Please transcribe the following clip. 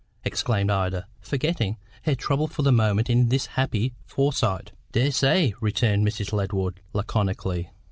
exclaimed Ida, forgetting her trouble for the moment in this happy foresight. "Dessay," returned Mrs. Ledward laconically.